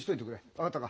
分かったか？